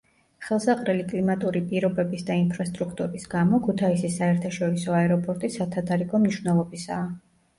ხელსაყრელი კლიმატური პირობების და ინფრასტრუქტურის გამო, ქუთაისის საერთაშორისო აეროპორტი სათადარიგო მნიშვნელობისაა.